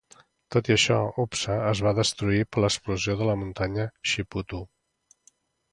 Tot i això, Upsa es va destruir per l'explosió de la Muntanya Shiputu.